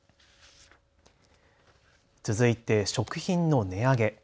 続いて食品の値上げ。